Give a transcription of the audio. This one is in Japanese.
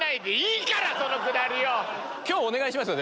今日お願いしますよ。